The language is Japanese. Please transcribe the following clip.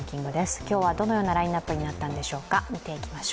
今日はどのようなラインナップになったんでしょうか。